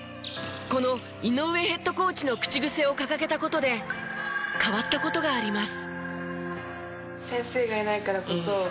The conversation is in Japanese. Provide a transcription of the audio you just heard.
この井上ヘッドコーチの口癖を掲げた事で変わった事があります。